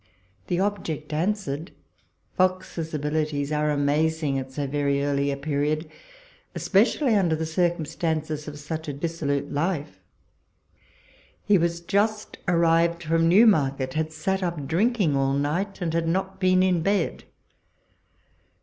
The object answered: Fox's abilities are amazing at so very early a period, especially under the circumstances of such a dis solute life. He was just arrived from New market, had sat up drinking all night, and had not been in bed.